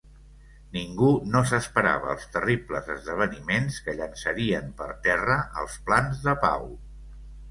Ningú no s'esperava els terribles esdeveniments que llançarien per terra els plans de pau.